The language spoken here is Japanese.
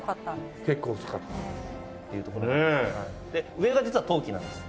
上が実は冬季なんです。